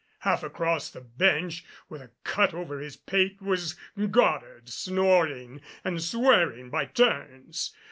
Half across a bench with a cut over his pate was Goddard, snoring and swearing by turns.